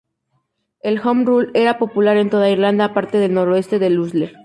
La "Home Rule" era popular en toda Irlanda, aparte del noreste del Ulster.